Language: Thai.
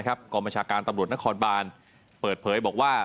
กรรมชาการตำรวจนครบานเปิดเผยบอกว่า